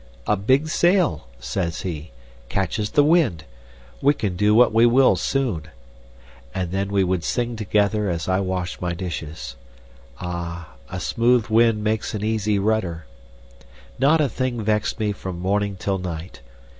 'A big sail,' says he, 'catches the wind we can do what we will soon,' and then we would sing together as I washed my dishes. Ah, 'a smooth wind makes an easy rudder.' Not a thing vexed me from morning till night.